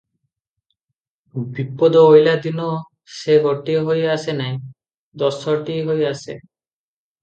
ବିପଦ ଅଇଲା ଦିନ ସେ ଗୋଟିଏ ହୋଇ ଆସେ ନାହିଁ- ଦଶଟି ହୋଇ ଆସେ ।